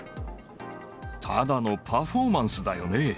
ただのパフォーマンスだよね。